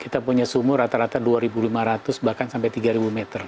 kita punya sumur rata rata dua lima ratus bahkan sampai tiga meter